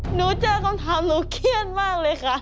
หนูเจอคำถามหนูเครียดมากเลยค่ะ